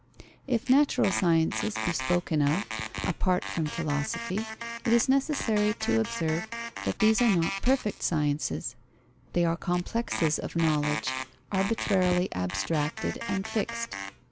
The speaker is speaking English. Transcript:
If natural sciences be spoken of, apart from philosophy, it is necessary to observe that these are not perfect sciences: they are complexes of knowledge, arbitrarily abstracted and fixed.